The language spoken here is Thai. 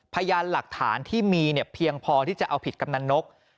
พยานหลักฐานที่มีเนี่ยเพียงพอที่จะเอาผิดกำนันนก